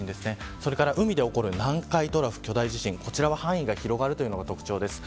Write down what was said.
それから海で起きる南海トラフ巨大地震範囲が広いのが特徴です。